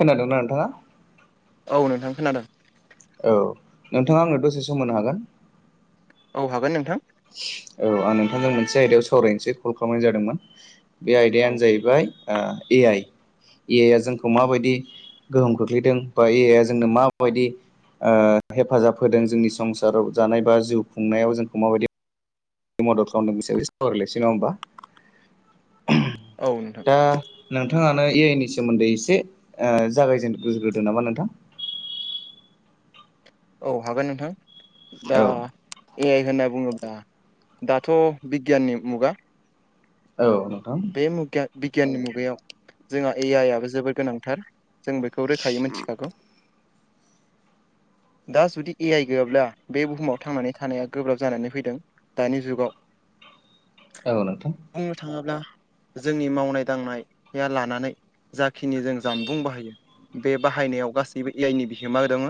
खोनादोंना नोंथाङा औ नोंथां खोनादों औ नोंथाङा आंनो दसे सम होनो हागोन औ हागोन नोंथां औ आं नोंथांजों मोनसे आयदायाव सावरायनोसै कल खालामनाय जादोंमोन बे औ आयदायानो जाहैबाय ए आइ ए आइ आ जोंखौ माबायदि गोहोम खोख्लैदों बा एया जोंनो माबायदि ओ हेफाजाब होदों जोंनि संसाराव जानाय बा जिउ खुंनायाव जोंखौ माबायदि मदद खालामदों बिसोरखौ सावरायलायसै नामा होमबा औ नोंथां दा नोंथाङानो ए आइ नि सोमोन्दै एसे ओ जागायजेनग्रोदो नामा नोंथां औ हागोन नोंथां दा औ ए आइ होनना बुङोब्ला दाथ' बिगियाननि मुगा औ बे मुग बिगियाननि मुगायाव जोंहा ए आइ आबो जोबोद गोनांथार जों बेखौ रोखायै मिथिखागौ दा जुदि ए आइ गैयाब्ला बे बुहुमाव थांनानै थानाया गोब्राब जानानै फैदों दानि जुगाव औ नोंथां बुंनो थाङोब्ला जोंनि मावनाय दांनाया लानानै जाखिनि जों जानबुं बाहायो बे बाहायनायाव गासैबो ए आइनि बिहोमा दङ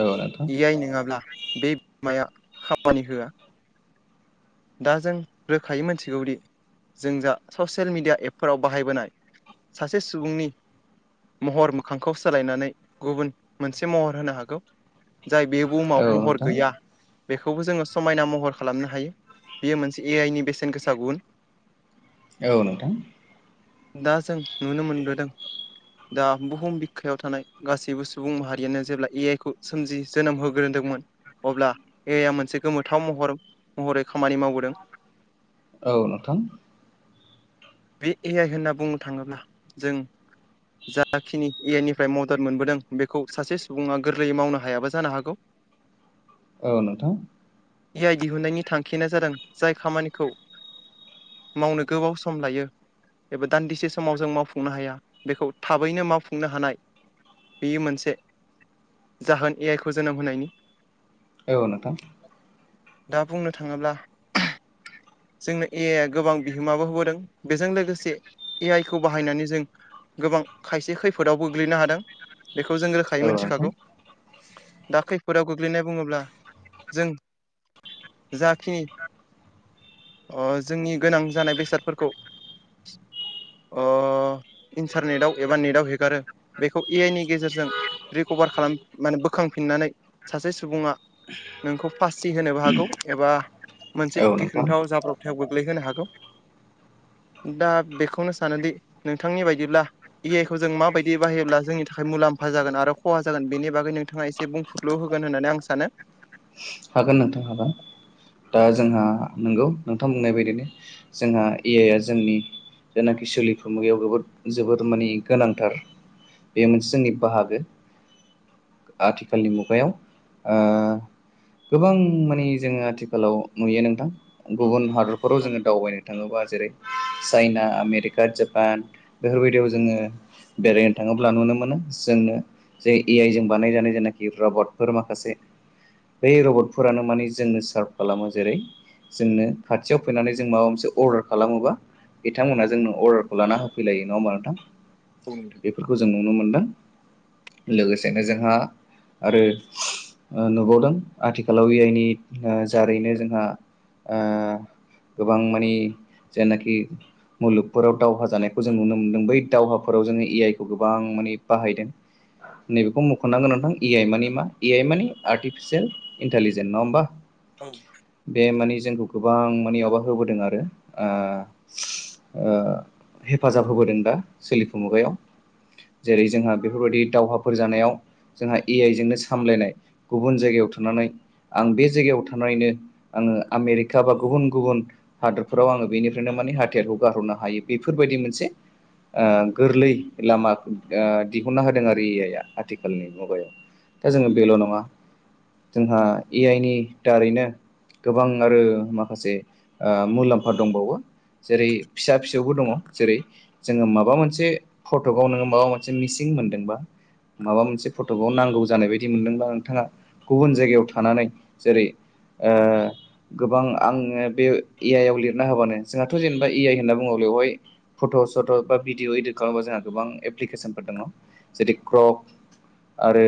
औ नोंथां इ आइ नङाब्ला बे बिहोमाया खामानि होआ दा जों रोखायै मोनथिगौदि जों जा ससियेल मिडिया एपफोराव बाहायबोनाय सासे सुबुंनि महर मोखांखौ सोलायनानै गुबुन मोनसे महर होनो हागौ जाय बे औ बुहुमाव महर नोंथां गैया बेखौबो जोङो समायना महर खालामनो हायो बेयो मोनसे ए आइनि बेसेन गोसा गुन औ नोंथां दा जों नुनो मोनबोदों। दा बुहुम बिखायाव थानाय गासैबो सुबुं माहारियानो जेब्ला ए आइ खौ सोमजि जोनोम होग्रोदोंमोन अब्ला एया मोनसे गोमोथाव महर महरै खामानि मावबोदों‌। औ नोंथां। बे ए आइ होनना बुंनो थाङोब्ला जों जाखिनि एनिफ्राय मदद मोनबोदों बेखौ सासे सुबुङा गोरलैयै मावनो हायाबा जानो हागौ। औ नोंथां। इ आइ दिहुनन्नायनि थांखियानो जादों जाय खामानिखौ मावनो गोबाव सम लायो। एबा दान्दिसे समाव जों मावफुंनो हाया बेखौ थाबैनो मावफुंनो हानाय बेयो मोनसे जाहोन ए आइखौ जोनोम होनायनि। औ नोंथां। दा बुंनो थाङोब्ला जोंनो ए आइया गोबां बिहोमाबो होबोदों। बेजों लोगोसे ए आइ खौ बाहायनानै जों गोबां खायसे खैफोदाव गोग्लैनो हादों बेखौ जों औ रोखायै नोंथां मिथिखागौ। दा खैफोदाव गोग्लैनाय बुङोब्ला जों जाखिनि अ जोंनि गोनां जानाय बेसादफोरखौ [unintelligible] अ इन्टारनेटआव एबा नेटआव हेगारो बेखौ ए आइ नि गेजेरजों रिकभार खालाम माने बोखांफिननानै सासे सुबुङा नोंखौ फासि होनोबो हागौ एबा मोनसे औ नोंथां गिख्रोंथाव जाब्रबथायाव गोग्लैहोनो हागौ। दा बेखौनो सानोदि नोंथांनि बायदिब्ला इ आइ खौ जों माबायदि बाहायोब्ला जोंनि थाखाय मुलाम्फा जागोन आरो खहा जागोन बेनि बागै नोंथाङा एसे बुंफुर ल' होगोन होननानै आं सानो। हागोन नोंथां हागोन दा जोंहा नंगौ नोंथां बुंनाय बायदिनो। जोंहा ए आइआ जोंनि जायनाखि सोलिफु मुगायाव जबोद जोबोद माने गोनांथार। बे मोनसे जोंनि बाहागो आथिखालनि मुगायाव ओ गोबां माने जोङो आथिखालाव नुयो नोंथां गुबुन हाद दरफोराव औ जोङो दावबायनो थाङोबा जेरै चाइना आमेरिका जापान बेफोरबायदियाव जोङो बेरायनो थाङोब्ला नुनो मोनो जोंनो जे ए आइ जों बानायजानाय जेनाखि रबटफोर माखासे बै रबटफोरानो माने जोंनो सार्फ खालामो जेरै जोंनो खाथियाव फैनानै जों माबा मोनसे अर्डार खालामोबा बिथांमोनहा जोंनो अर्डारखौ लाना होफैलायो नङा होमबा नोंथां? औ नोंथां। बेफोरखौ जों नुनो मोनदों। लोगोसेनो जोंहा आरो नुबावदों। आथिखालाव ए आइनि ओ जारैनो जोंहा ओ गोबां मानि जेनाखि मुलुगफोराव दावहा जानायखौ जों नुनो मोन्दों बै दावहाफोराव जोङो ए आइ खौ गोबां माने बाहायदों। नैबेखौ मुखननांगोन नोंथां ए आइ मानि मा ए आइ मानि आर्टिफिसियेल। इन्टलिजेट नङा होनबा? औ बे माने जोंखौ गोबां माने माबा होबोदों आरो ओ ओ हेफाजाब होबोदों दा सोलिफु मुगायाव जेरै जोंहा बेफोरबायदि दावहाफोर जानायाव जोंहा ए आइ जोंनो सामलायनाय गुबुन जायगायाव थां थनानै आं बे जायगायाव थनानैनो आङो आमेरिका बा गुबुन गुबुन हादरफोराव आङो बेनिफ्रायनो माने हाथियारखौ गारहरनो हायो बेफोरबायदि मोनसे ओ गोरलै लामा ओ दिहुनना होदों आरो इ आइआ आथिखालनि मुगायाव दा जोङो बेल' नङा जोंहा ए आइ नि दारैनो गोबां आरो माखासे ओ मुलाम्फा दंबावो जेरै फिसा फिसौबो दङ जेरै जोङो माबा मोनसे फट'खौ नोङो माबा मोनसे मिसिं मोनदोंबा माबा मोनसे फट'खौ नांगौ जानाय बायदि मोनदोंब्ला नोंथांङा गुबुन जायगायाव थानानै जेरै ओ गोबां आंङो बे ए आइ आव लिरना होबानो जोंहाथ जेनेबा ए आइ होन्ना बुंङो बेवहाय फट' सट' बा भिडिअ इदित खालामोबा जोंहा गोबां एप्लिकेसनफोर दङ जेरै क्रक आरो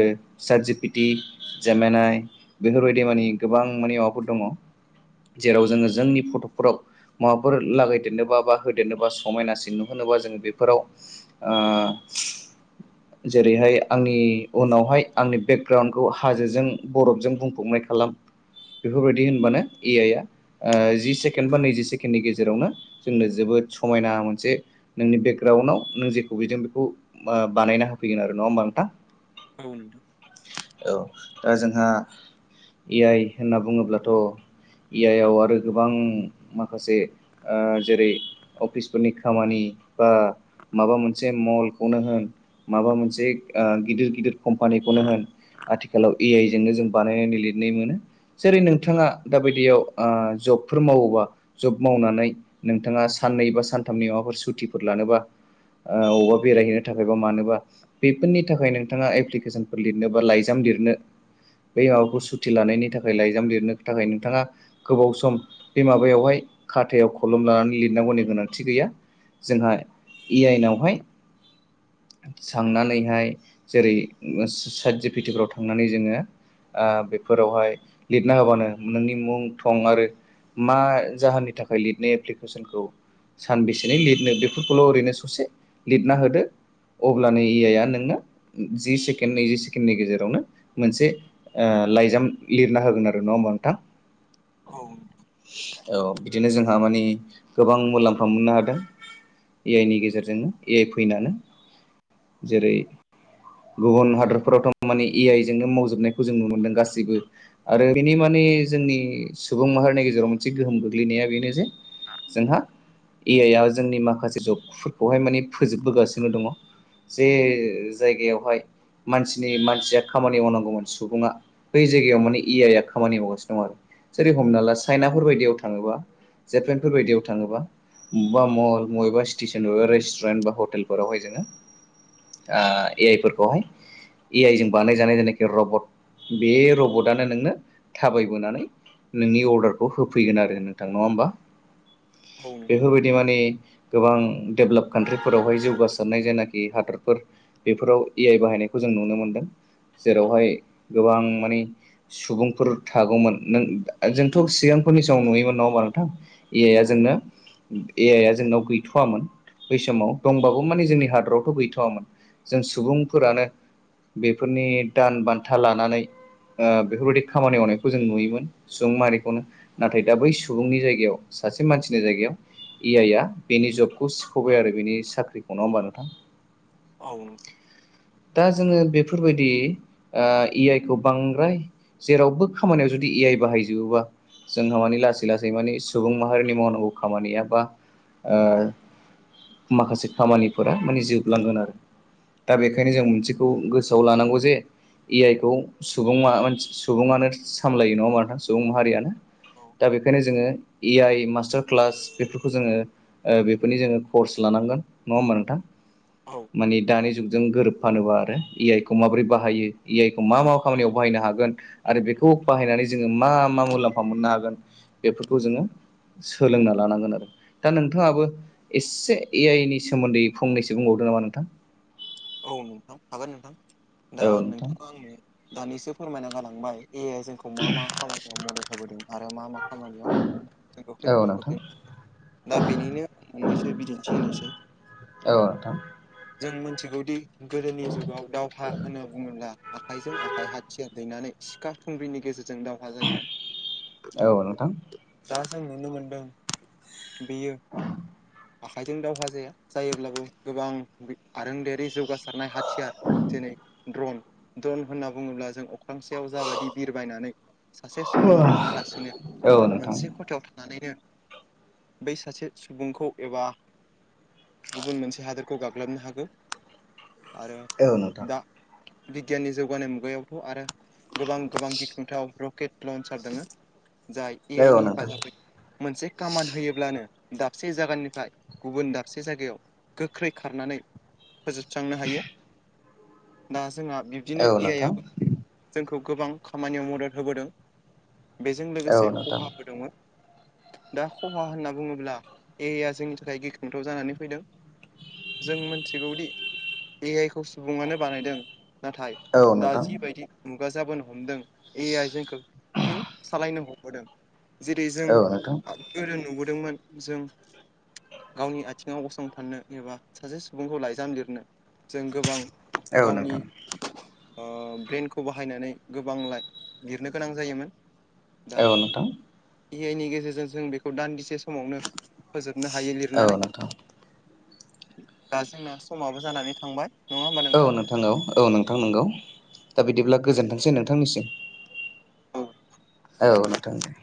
साट जि पि टि जामेनाय बेफोरबायदि मानि गोबां मानि माबाफोर दङ जेराव जोंङो जोंनि फट'खफोराव माबाफोर लागायदेरनोबा बा होदेरनोबा समायनासिन नुहोनोबा जोंङो बेफोराव ओ जेरैहाय आंनि उनावहाय आंनि बेगग्राउणखौ हाजोजों बरफजों बुंफबनाय खालाम बेफोरबायदि होनब्लानो ए आइ आ ओ जि सेकेण्ड बा नैजि सेकेण्डनि गेजेरावनो जोंनो जोबोद समायना मोनसे नोंनि बेकग्राउणडआव नों जेखौ बिदों बेखौ ओ बानायना होफैगोन आरो नंङा होमबा नोंथां औ नोंथां औ दा जोंहा ए आइ होनना बुङोब्लाथ' ए आइ आव आरो गोबां माखासे ओ‌ जेरै अफिसफोरनि खामानि बा माबा मोनसे मलखौनो होन माबा मोनसे ओ गिदिर गिदिर कम्पानिखौनो होन आथिखालाव ए आइ जोंनो जों बानायनानै लिरनाय मोनो जेरै नोंथांङा दाबायदियाव ओ जबफोर मावोबा जब मावनानै नोंथांङा साननै बा सानथामनि माबाफोर सुटिफोर लानोबा ओ अबावबा बेरायहैनो थाखाय बा मानोबा बेफोरनि थाखाय नोंथाङा एप्लिकेसनफोर लिर नोबा लाइजाम लिरनो बै माबाखौ सुथि लानायनि थाखाय लाइजाम लिरनो थाखाय नोंथांङा गोबाव सम बे माबायावहाय खाथायाव खलम लानानै लिरनांगौनि गोनांथि गैया जोंहा ए आइ नावहाय थांनानैहाय जेरै सात जि पि टि फ्राव थांनानै जोंङो ओ बेफोरावहाय लिरना होबानो नोंनि मुं थं आरो मा जाहोननि थाखाय लिरनो एप्लिकेसनखौ सानबेसेनि लिरनो बेफोरखौल ओरैनो ससे लिरना होदो अब्लानो ए आइ आ नोंनो जि सेकेण्ड नैजि सेक सेकेण्डनि गेजेरावनो मोनसे ओ लाइजाम लिरना होगोन आरो नंङाहोमबा नोंथां औ नोंथां औ बिदिनो जोंहा मानि गोबां मुलाम्फा मोननो हादों ए आइ नि गेजेरजोंनो ए आइ फैनानो जेरै गुबुन हादर फ्रावथ माने ए आइ जोंनो मावजोबनायखौ जों नुनो मोन्दों गासिबो आरो बेनि माने जोंनि सुबुं माहारिनि गेजेराव मोनसे गोहोम गोग्लैनाया बेनो जे जोंहा ए आइ आ जोंनि माखासे जबफोरखौहाय माने फोजोबबोगासिनो दंङ जे जायगायावहाय मानसिनि मानसिया खामानि मावनांगौमोन सुबुंङा बै जायगायाव माने ए आइ आ खामानि मावगासिनो दं आरो। जेरै हमना ला चाइनाफोर बायदियाव थांङोबा जापेनफोर बदियाव थांङोबा। बा मल मबेबा स्टेसन मबेबा रेस्टुरेन्ट बा हटेलफोरावहाय जोङो। आ ए आइ फोरखौहाय ए आइ जों बानायजानाय जायनाखि रबट बे रबटआनो नोंनो थाबायबोनानै नोंनि अर्डारखौ होफैगोन आरो नोंथां नंङा होमबा औ बेफोरबाय बिदि मानि गोबां डेभेलप कान्ट्रिफोरावहाय जौगासारनाय जायनाखि हादरफोर बेफोराव ए आइ बाहायनायखौ जों नुनो मोनदों जेरावहाय गोबां माने सुबुंफोर थागौमोन नों जोंथ सिगांफोरनि समाव नुयोमोन नंङा होमबा नोंथां। ए आइया जोंनो ए आइया जोंनाव गैथवाममोन बै समाव दंबाबो माने जोंनि हादरावथ गैथवामोन। जों सुबुंफोरानो। बेफोरनि दान बान्था लानानै। ओ-बेफोरबायदि खामानि मावनायखौ जों नुयोमोन सुबुं माहारिखौनो। नाथाय दा बै सुबुंनि जायगायाव सासे मानसिनि जायगायाव। ए आइ आ बेनि जबखौ सिखबाय आरो बेनि साख्रिखौ नङ होमबा नोंथां। आ दा जोङो बेफोरबायदि ओ-ए आइ खौ बांद्राय जेरावबो खामानियाव जुदि ए आइ बाहायजोबोबा। जोंहा मानि लासै लासै माने सुबुं माहारिनि मावनांगौ खामानिया बा ओ माखासे खामानिफोरा माने जोबलांगोन आरो दा बे बेखायनो जों मोनसेखौ गोसोआव लानांगौ जे। ए आइखौ सुबुंमा-सुबुङानो सामलायो नङा होनबा सुबुं माहारियानो। दा बेखायनो जोङो ए आइ मास्टार क्लास बेफोरखौ जोङो। ओ-बेफोरनि जोङो कर्स लानांगोन नङा होमबा नोंथां। औ मानि दानि जुगजों गोरोब फानोबा आरो ए आइखौ माबोरै बाहायो ए आइखौ मा मा खामानियाव बाहायनो हागोन आरो बेखौ बाहायनानै जोङो मा मा मुलाम्फा मोननो हागोन बेफोरखौ जोङो। सोलोंना लानांगोन आरो। दा नोंथाङाबो एसे ए आइनि सोमोन्दै फंनैसो बुंबावदों नामा नोंथां? औ नोंथां हागोन नोंथां दा औ नोंथां नोंथाङा आंनि दानिसो फोरमायना गालांबाय ए जोंखौ खौ मा मा खामानियाव मदद होबोदों आरो मा मा खामानियाव जोंखौ औ खैफोदाव नोंथां खोख्लैनो हागौ। दा बेनिनो मोननैसो बिदिन्थि होनोसै औ नोंथां जों मोनथिगौ। गोदोनि जुगाव दावहा होनना बुङोब्ला आखाइजों आखाइ हाथियार दैनानै। खुंग्रिनि गेजेरजों दावहा जायोमोन। औ नोंथां दा जों नुनो मोनदों बेयो। आखाइजों दावहा जाया जायोब्लाबो गोबां आरोंदायारि जौगासारनाय हाथियार। जेरै ड्रन ड्रन होनना बुङोब्ला जों अख्रांसायाव जाबायदि बिरबायनानै। सासे औ सुबुङा नोंथां थाङालासिनो औ नोंथां मोनसे खथ खाथियाव थानानैनो बै सासे सुबुंखौ एबा। गुबुन मोनसे हादोरखौ गाग्लोबनो हागौ। आरो औ नोंथां दा बिगियाननि जौगानाय मुगायावथ आरो। गोबां गोबां गिख्रुंथाव रकेट लन्सार दङो जाय ए आइ औ नि नोंथां हेफाजाबै मोनसे खामान होयोब्लानो दाबसे जायगानिफ्राय गुबुन दाबसे जायगायाव। गोख्रै खारनानै फोजोबस्रांनो हायो दा जोंहा बिब्दिनो औ ए आइ नोंथां आबो। जोंखौ गोबां खामानियाव मदद होबोदों बेजों औ लोगोसे नोंथां खहा बो दोङो। दा खहा होनना बुङोब्ला ए आइ या जोंनि थाखाय गिख्रोंथाव जानानै फैदों। जों मिथिगौदि ए आइ खौ सुबुङानो बानायदों नाथाय औ दा नोंथां जिबायदि मुगाजाबोनो हमदों। ए आइ जोंखौ फिन सालायनो हमबोदों जेरै जों औ नोंथां गोदो नुबोदोंमोन जों गावनि आथिङाव गसंथाननो एबा सासे सुबुंखौ लाइजाम लिर जों गोबां औ नोंथां गावनि औ ओ ब्रेेनखौ बाहायनानै गोबांलाय लिरनो गोनां जायोमोन। दा नोंथां ए आइ नि गेजेरजों जों बेखौ दान्दिसे समावनो फोजोबनो हायो औ लिरनानै दा जोंना समाबो जानानै थांबाय नङा होनबा नोंथां? हेलौ औ नोंथां नोंगौ दा बिदिब्ला गोजोनथोंसै नोंथांनिसिम। औ। औ नोंथां दे।